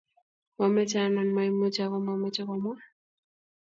Mameche anan maimuchi aku mameche komwa